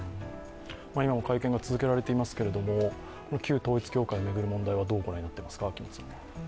今も会見が続けられていますけれども、旧統一教会を巡る問題はどう御覧になっていますか。